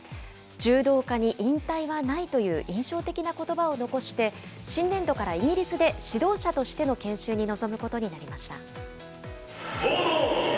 柔道家に引退はないという印象的なことばを残して、新年度からイギリスで指導者としての研修に臨むことになりました。